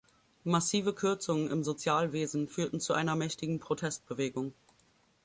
Massive Kürzungen im Sozialwesen führten zu einer mächtigen Protestbewegung.